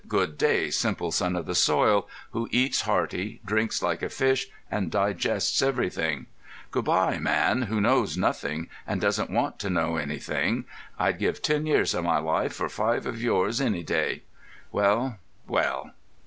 "Good day, simple son of the soil, who eats hearty, drinks like a fish, and digests everything. Good bye, man who knows nothing, and doesn't want to know anything. I'd give ten years of my life for five of yours any day. Well, well."